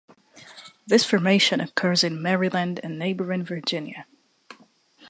This formation occurs in Maryland and neighboring Virginia.